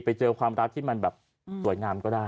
ไปเจอความรักที่มันแบบสวยงามก็ได้